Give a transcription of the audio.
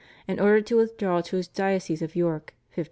and ordered to withdraw to his diocese of York (1530).